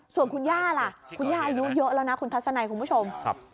ส่วนคุณย่าล่ะคุณย่าอายุเยอะแล้วนะคุณทัศนัยคุณผู้ชม